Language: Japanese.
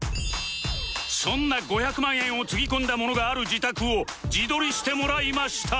そんな５００万円をつぎ込んだものがある自宅を自撮りしてもらいました